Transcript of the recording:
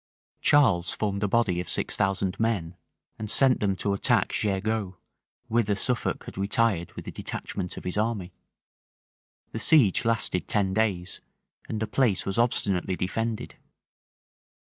Charles formed a body of six thousand men, and sent them to attack Jergeau, whither Suffolk had retired with a detachment of his army. The siege lasted ten days; and the place was obstinately defended.